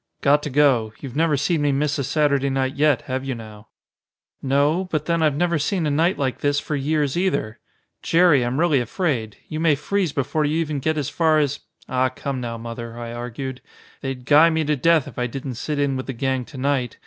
"Got to go. You've never seen me miss a Saturday night yet, have you now?" "No. But then I've never seen a night like this for years either. Jerry, I'm really afraid. You may freeze before you even get as far as " "Ah, come now, Mother," I argued. "They'd guy me to death if I didn't sit in with the gang to night.